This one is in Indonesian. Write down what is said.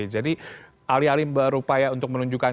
jadi alih alih berupaya untuk menunjukkan